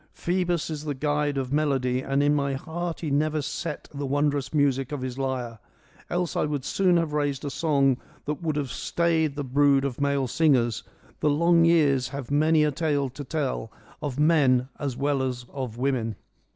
Phoebus is the guide of melody and in my heart he never set the wondrous music of his lyre. Else I would soon have raised a song that would have stayed the 104 FEMINISM IN GREEK LITERATURE brood of male singers. The long years have many a tale to tell, of men as well as of women.'